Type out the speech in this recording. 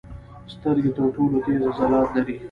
سترګې تر ټولو تېز عضلات لري.